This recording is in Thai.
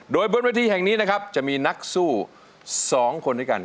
โดยบนเวทีแห่งนี้นะครับจะมีนักสู้๒คนด้วยกัน